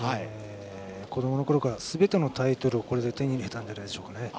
子どものころからすべてのタイトルをこれで手に入れたんじゃないでしょうか。